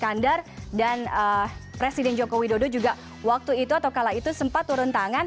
kandar dan presiden joko widodo juga waktu itu atau kala itu sempat turun tangan